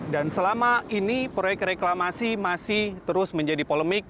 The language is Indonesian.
dan selama ini proyek reklamasi masih terus menjadi polemik